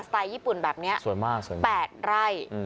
สไตล์ญี่ปุ่นแบบนี้